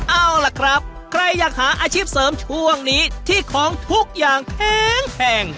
เอาล่ะครับใครอยากหาอาชีพเสริมช่วงนี้ที่ของทุกอย่างแพง